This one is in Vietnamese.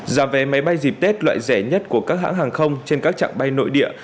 giá vé máy bay dịp tết loại rẻ nhất của các hãng hàng không trên các trạng bay nội địa